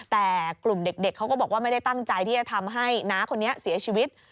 แต่กลุ่มเด็กเขาก็บอกว่าไม่ได้ตั้งใจที่จะทำให้น้าคนนี้เสียชีวิต